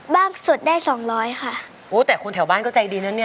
สดได้สองร้อยค่ะโอ้แต่คนแถวบ้านก็ใจดีนะเนี่ย